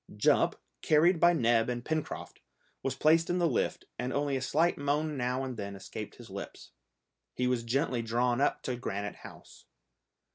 Jup, carried by Neb and Pencroft, was placed in the lift, and only a slight moan now and then escaped his lips. He was gently drawn up to Granite House.